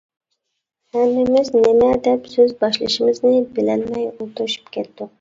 ھەممىمىز نېمە دەپ سۆز باشلىشىمىزنى بىلەلمەي ئولتۇرۇشۇپ كەتتۇق.